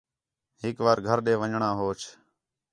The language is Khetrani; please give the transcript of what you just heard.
ہِک وار گھر ݙے ون٘ڄاں ہوچ